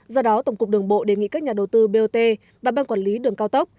do đó tổng cục đường bộ đề nghị các nhà đầu tư bot và ban quản lý đường cao tốc